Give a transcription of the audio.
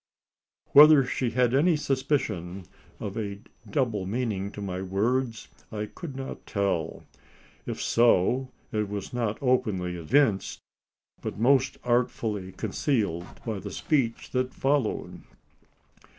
Whether she had any suspicion of a double meaning to my words, I could not tell. If so, it was not openly evinced, but most artfully concealed by the speech that followed.